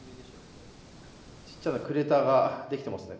ちっちゃなクレーターができてますね